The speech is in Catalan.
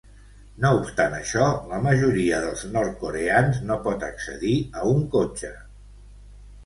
No obstant això, la majoria dels nord-coreans no pot accedir a un cotxe.